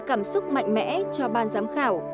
cảm xúc mạnh mẽ cho ban giám khảo